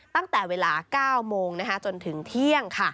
ตั้งแต่เวลา๙โมงจนถึงเที่ยง